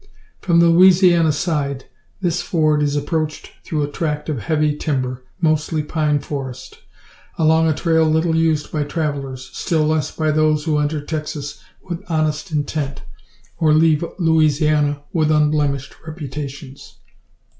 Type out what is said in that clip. From the Louisiana side this ford is approached through a tract of heavy timber, mostly pine forest, along a trail little used by travellers, still less by those who enter Texas with honest intent, or leave Louisiana with unblemished reputations.